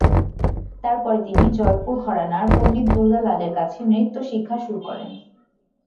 তারপরে তিনি জয়পুর ঘরানার পণ্ডিত দুর্গা লালের কাছে নৃত্য শিক্ষা শুরু করেন।